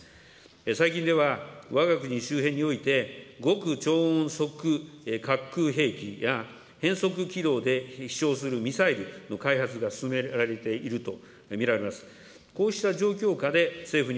最近では、わが国周辺において、極超音速滑空兵器や変速機動で飛しょうするミサイルの開発が進められていると見られます。